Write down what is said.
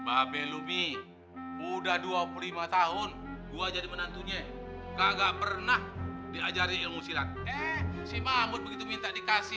babelumi udah dua puluh lima tahun gua jadi menantunya enggak pernah diajari ilmu silat si mamut begitu minta dikasih